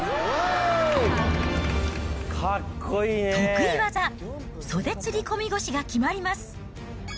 得意技、袖釣り込み腰が決まります。